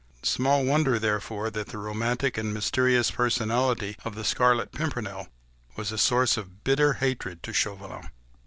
Small wonder, therefore, that the romantic and mysterious personality of the Scarlet Pimpernel was a source of bitter hatred to Chauvelin.